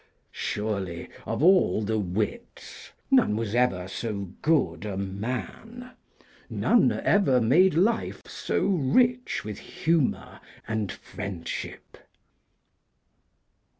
Surely of all the wits none was ever so good a man, none ever made life so rich with humour and friendship.